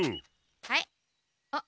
はいあっ。